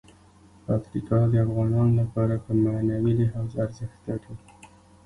پکتیکا د افغانانو لپاره په معنوي لحاظ ارزښت لري.